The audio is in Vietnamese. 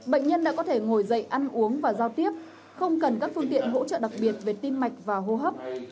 bệnh nhân đã có thể ngồi dậy ăn uống và giao tiếp không cần các phương tiện hỗ trợ đặc biệt về tim mạch và hô hấp